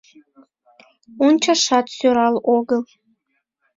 Ончашат сӧрал огыл...